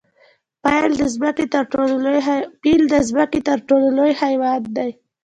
پیل د ځمکې تر ټولو لوی حیوان دی